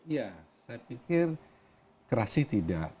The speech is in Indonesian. ya saya pikir keras sih tidak